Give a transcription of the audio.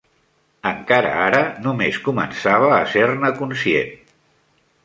Encara ara només començava a ser-ne conscient.